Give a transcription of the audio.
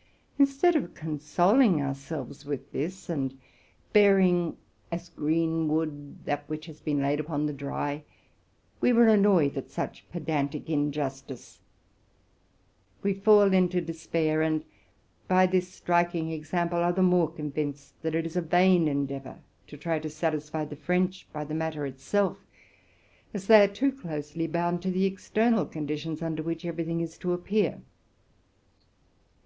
'' Instead of consoling ourselves with this, and bearing as green wood that which had been laid upon the dry, we were annoyed at such pedantic injustice. We despair, and, by this striking example, become the more convinced that it is a vain endeavor to try to satisfy the French by the matter itself, as they are too closely bound to the external conditions under which every thing is to appear.